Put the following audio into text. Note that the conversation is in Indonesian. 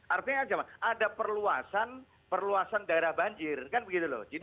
artinya ada perluasan daerah banjir kan begitu loh